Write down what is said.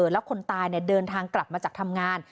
แล้วคนตายเดินทางกลับมาจากทำงาน